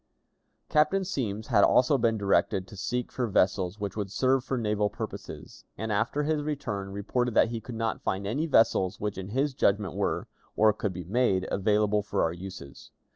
Captain Semmes had also been directed to seek for vessels which would serve for naval purposes, and, after his return, reported that he could not find any vessels which in his judgment were, or could be made, available for our uses.